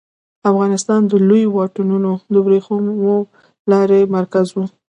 افغانستان د لویو واټونو د ورېښمو لارې مرکز و